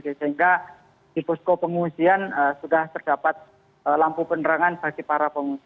sehingga di posko pengungsian sudah terdapat lampu penerangan bagi para pengungsi